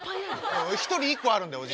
１人１個あるんだよ。